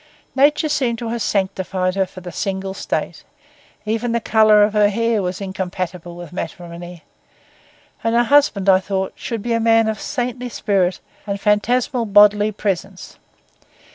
Nature seemed to have sanctified her for the single state; even the colour of her hair was incompatible with matrimony, and her husband, I thought, should be a man of saintly spirit and phantasmal bodily presence.